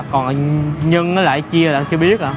còn nhân nó lại chia là chưa biết à